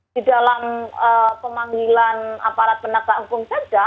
di dalam pemanggilan aparat penata hukum tanda